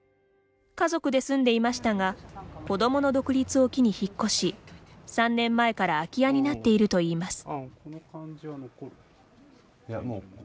家族で住んでいましたが子どもの独立を機に引っ越し３年前から空き家になっているといいます。